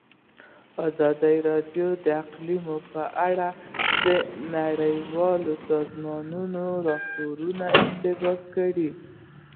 ازادي راډیو د اقلیم په اړه د نړیوالو سازمانونو راپورونه اقتباس کړي.